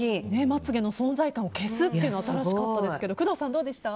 まつ毛の存在感を消すというのが新しかったですけど工藤さん、どうでした？